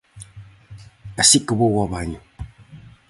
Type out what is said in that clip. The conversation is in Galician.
Así que vou ao baño.